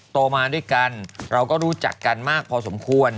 โตมาด้วยกันเราก็รู้จักกันมากพอสมควร